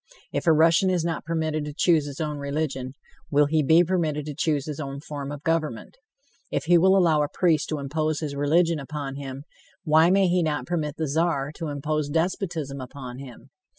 If a Russian is not permitted to choose his own religion, will he be permitted to choose his own form of government? If he will allow a priest to impose his religion upon him, why may he not permit the Czar to impose despotism upon him?